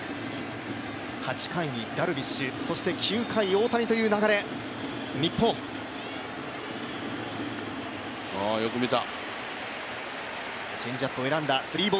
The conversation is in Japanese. ８回にダルビッシュ、そして９回は大谷という流れのおお、よく見た。